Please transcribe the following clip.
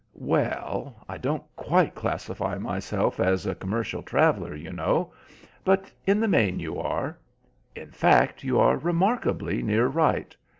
"Well, I don't quite class myself as a commercial traveller, you know, but in the main you are—in fact, you are remarkably near right.